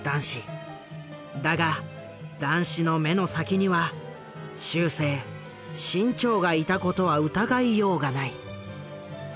だが談志の目の先には終生志ん朝がいたことは疑いようがない。